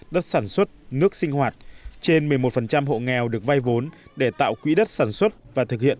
đất sản xuất nước sinh hoạt trên một mươi một hộ nghèo được vay vốn để tạo quỹ đất sản xuất và thực hiện